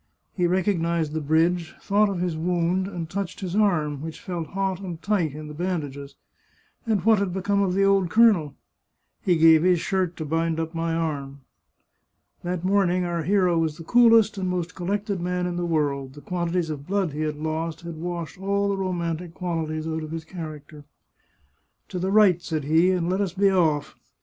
He recognised the bridge, thought of his wound, 71 The Chartreuse of Parma and touched his arm, which felt hot and tight in the band ages. And what had become of the old colonel ?" He gave his shirt to bind up my arm." That morning our hero was the coolest and most collected man in the world; the quantities of blood he had lost had washed all the romantic qualities out of his character. " To the right," said he, " and let us be off."